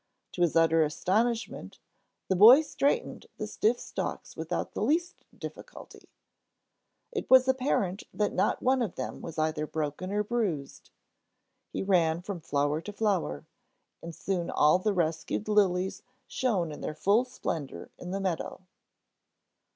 To his utter astonishment, the boy straightened the stiff stalks without the least difficulty. It was apparent that not one of them was either broken or bruised. He ran from flower to flower, and soon all the rescued lilies shone in their full splendor in the meadow.